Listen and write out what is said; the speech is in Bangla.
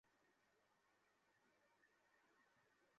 অতঃপর আনাযা পর্যন্ত তিনি তার বংশ পঞ্জিকাও উল্লেখ করেন।